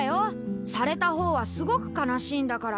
された方はすごく悲しいんだから。